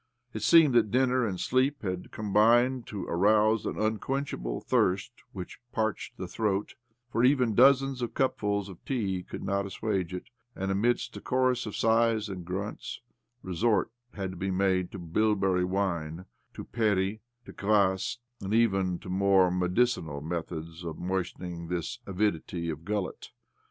It seemed that dinner OBLOMOV 105 and sleep had combined to arouse an un quenchable thirst which parched the throat, for even dozens of cupfuls of tea could not assuage it, and, amid a chorus of sighs and grunts, resort had to be made to bilberry wine, to perry, to kvass, and even to more medicinal methods of moistening this avidity of gullet.